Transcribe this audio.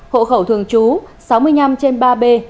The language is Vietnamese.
hộ khẩu thường trú sáu mươi năm trên ba b